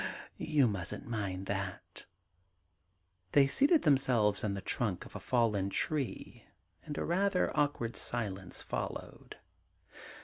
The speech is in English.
* Ah, you mustn't mind that' They seated themselves on the trunk of a fallen tree, and a rather awkward silence followed.